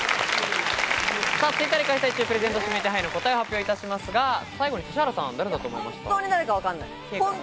Ｔｗｉｔｔｅｒで開催中、プレゼント指名手配の答えを発表いたしますが、本当に誰だかわかんない。